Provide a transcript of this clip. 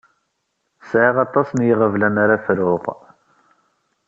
Sɛiɣ aṭas n yiɣeblan ara fruɣ.